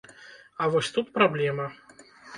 А вось тут праблема.